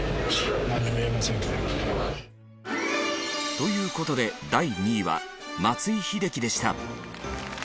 という事で第２位は松井秀喜でした。